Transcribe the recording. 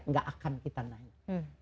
tidak akan kita naik